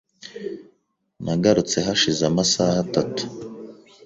Nagarutse hashize amasaha atatu .